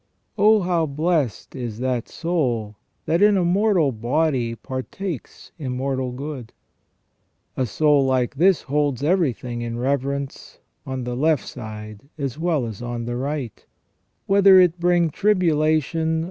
" Oh, how blessed is that soul that in a mortal body partakes im mortal good ! A soul like this holds everything in reverence, on the left side as well as on the right ; whether it bring tribulation 13 194 ON EVIL AND THE ORIGIN OF EVIL.